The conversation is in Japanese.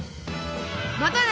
またね！